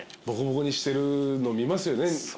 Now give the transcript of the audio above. ボコボコにしてるの見ますよね。